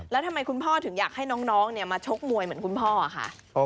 แล้วทำไมคุณพ่อถึงอยากให้น้องมาชกมวยเหมือนคุณพ่อค่ะ